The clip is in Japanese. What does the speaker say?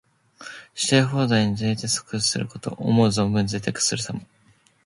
したい放題に贅沢すること。思う存分にぜいたくするさま。